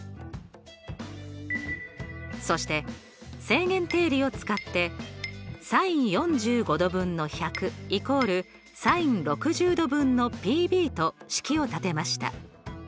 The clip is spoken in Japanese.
そして正弦定理を使ってｓｉｎ４５°分の１００イコールｓｉｎ６０°分のＰＢと式を立てました。